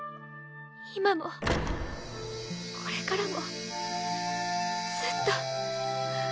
今もこれからもずっと。